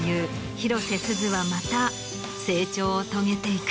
広瀬すずはまた成長を遂げていく。